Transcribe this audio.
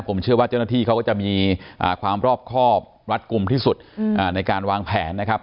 ผมเชื่อว่าเจ้าหน้าที่เขาก็จะมีความรอบครอบรัดกลุ่มที่สุดในการวางแผนนะครับ